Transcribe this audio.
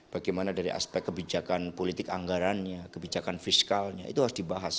bagaimana dari aspek kebijakan politik anggarannya kebijakan fiskalnya itu harus dibahas